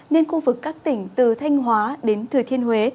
nên khu vực các tỉnh từ thanh hóa đến thừa thiên huế